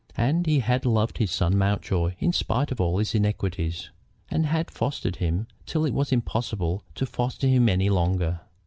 And he had loved his son Mountjoy in spite of all his iniquities, and had fostered him till it was impossible to foster him any longer.